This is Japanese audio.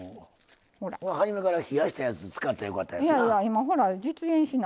初めから冷やしたやつ使ったらよかったですな。